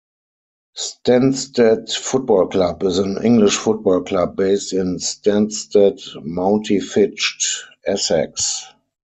Stansted Football Club is an English football club based in Stansted Mountfitchet, Essex.